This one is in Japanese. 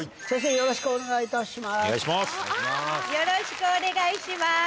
よろしくお願いします。